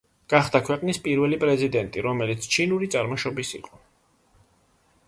გახდა ქვეყნის პირველი პრეზიდენტი, რომელიც ჩინური წარმოშობის იყო.